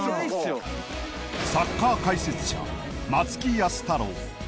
サッカー解説者松木安太郎